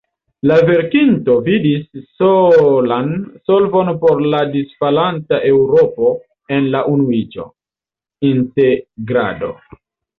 La verkinto vidis solan solvon por la disfalanta Eŭropo en la unuiĝo, integrado.